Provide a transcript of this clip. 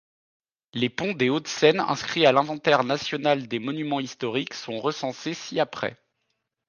Les ponts des Hauts-de-Seine inscrits à l’inventaire national des monuments historiques sont recensés ci-après.